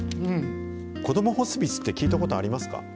こどもホスピスって聞いたことありますか？